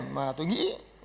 mà tôi nghĩ